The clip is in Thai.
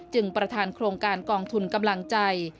ประธานโครงการกองทุนกำลังใจ